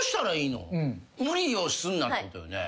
無理をすんなってことよね？